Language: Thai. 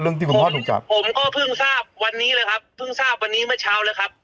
ที่คุณพ่อถูกจับผมก็เพิ่งทราบวันนี้เลยครับเพิ่งทราบวันนี้เมื่อเช้าแล้วครับ